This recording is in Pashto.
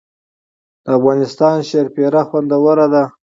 د افغانستان شیرپیره خوندوره ده